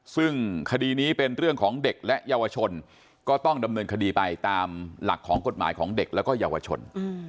ซึ่งคดีนี้เป็นเรื่องของเด็กและเยาวชนก็ต้องดำเนินคดีไปตามหลักของกฎหมายของเด็กแล้วก็เยาวชน